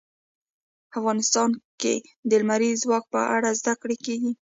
افغانستان کې د لمریز ځواک په اړه زده کړه کېږي.